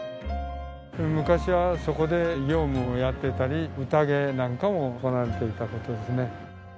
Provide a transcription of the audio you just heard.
昔はそこで業務をやってたり宴なんかも行われていたことですね。